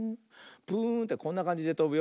プーンってこんなかんじでとぶよ。